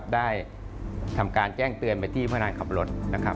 ได้ทำการแจ้งเตือนไปที่พนักงานขับรถ